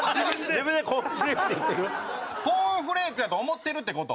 コーンフレークやと思ってるって事？